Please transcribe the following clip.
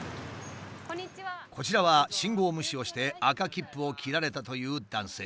こちらは信号無視をして赤切符を切られたという男性。